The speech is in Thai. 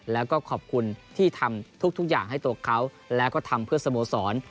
แล้วก็ขอบคุณที่ทำทุกอย่างให้ตัวเขาแล้วก็ทำเพื่อสโมสร